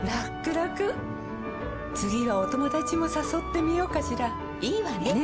らくらくはお友達もさそってみようかしらいいわね！